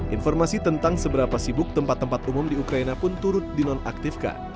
informasi tentang seberapa sibuk tempat tempat umum di ukraina pun turut dinonaktifkan